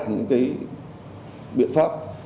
những cái biện pháp